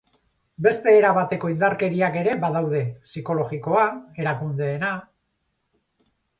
Beste era bateko indarkeriak ere badaude: psikologikoa, erakundeena...